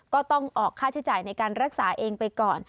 ก็ต้องออกค่าใช้จ่ายในการรักษาเองไปก่อน